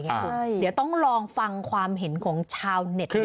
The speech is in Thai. ไฟล์ไงครับเดี๋ยวต้องลองฟังความเห็นของชาวเน็ตดู